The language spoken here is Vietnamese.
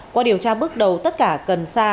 qua điều tra bước đầu tất cả cần xa